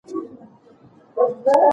خو دا تل اغېزناک نه وي.